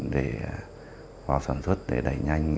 để khoa học sản xuất để đẩy nhanh